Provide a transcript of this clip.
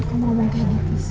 aku mau mengenai pc